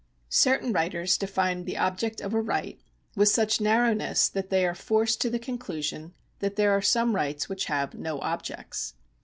^ Certain writers define the object of a right with such narrowness that they are forced to the conclusion that there are some rights which have no objects.